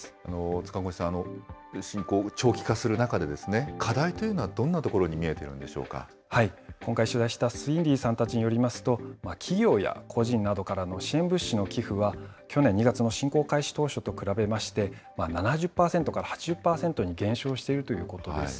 塚越さん、侵攻が長期化する中で、課題というのはどんなとこ今回取材した、スウィンリーさんたちによりますと、企業や個人などからの支援物資の寄付は、去年２月の侵攻開始当初と比べまして、７０％から８０％に減少しているということです。